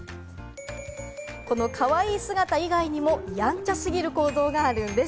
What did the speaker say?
このかわいい姿以外にも、やんちゃすぎる行動があるんです。